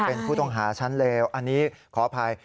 เป็นผู้ต้องหาชั้นเลวอันนี้ขออภัย